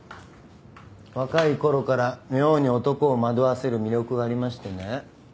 若いころから妙に男を惑わせる魅力がありましてね。